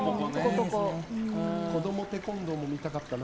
子供テコンドーも見たかったな。